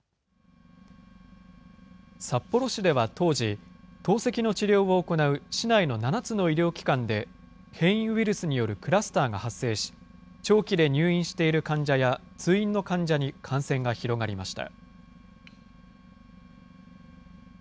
札幌市では当時、透析の治療を行う市内の７つの医療機関で、変異ウイルスによるクラスターが発生し、長期で入院している患者や、通院の患者に感染が広がりました。